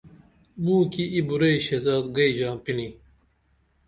موکی ای بُرعی شہزادگئی ژاپینی